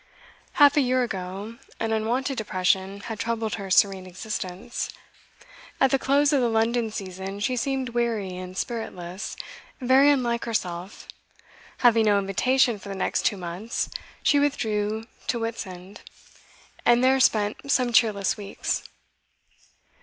Half a year ago an unwonted depression had troubled her serene existence. At the close of the London season she seemed weary and spiritless, very unlike herself; having no invitation for the next two months, she withdrew to Whitsand, and there spent some cheerless weeks.